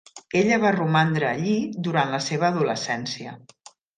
Ella va romandre allí durant la seva adolescència.